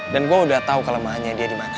dan gue udah tau kelemahannya dia dimana